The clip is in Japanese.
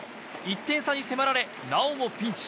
１点差に迫られ、なおもピンチ。